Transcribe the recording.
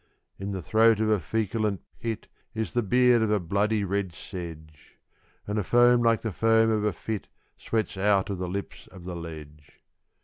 In the throat of a feculent pit is the beard of a bloody red sedge; And a foam like the foam of a fit sweats out of the lips of the ledge.